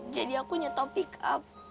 jadi aku nyetop pick up